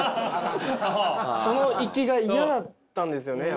その行きが嫌だったんですよね。